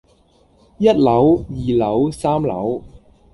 一樓，二樓，三樓